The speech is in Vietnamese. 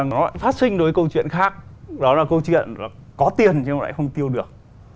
nó phát sinh đối với câu chuyện khác đó là câu chuyện có tiền nhưng mà lại không tiêu được